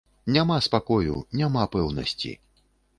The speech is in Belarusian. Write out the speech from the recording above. Няма спакою, няма пэўнасці.